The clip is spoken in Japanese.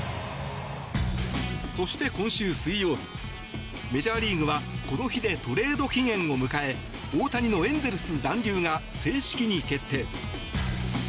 そして、今週水曜日メジャーリーグはこの日でトレード期限を迎え大谷のエンゼルス残留が正式に決定。